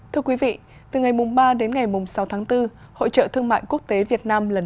thưa quý vị từ ngày ba đến ngày sáu tháng bốn hội trợ thương mại quốc tế việt nam lần